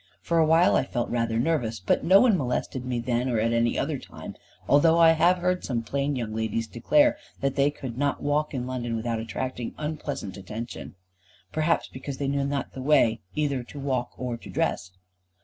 For a while I felt rather nervous, but no one molested me then or at any other time; although I have heard some plain young ladies declare that they could not walk in London without attracting unpleasant attention. Perhaps because they knew not the way either to walk or to dress.